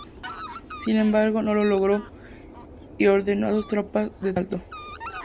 Sin embargo, no lo logró, y ordenó a sus tropas detener el asalto.